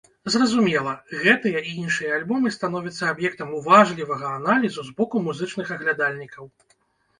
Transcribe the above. Зразумела, гэтыя і іншыя альбомы становяцца аб'ектам уважлівага аналізу з боку музычных аглядальнікаў.